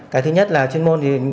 cái thứ nhất là chuyên môn thì